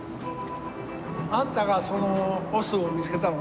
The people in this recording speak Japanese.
あんたがその押忍を見つけたの？